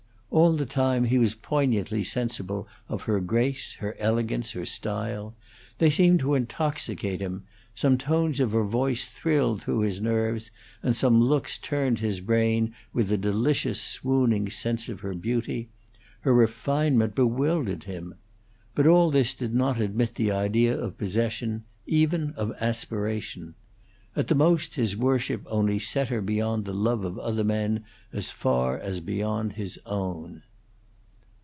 All the time he was poignantly sensible of her grace, her elegance, her style; they seemed to intoxicate him; some tones of her voice thrilled through his nerves, and some looks turned his brain with a delicious, swooning sense of her beauty; her refinement bewildered him. But all this did not admit the idea of possession, even of aspiration. At the most his worship only set her beyond the love of other men as far as beyond his own.